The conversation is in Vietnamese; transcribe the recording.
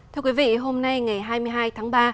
thưa quý vị hôm nay ngày hai mươi hai tháng ba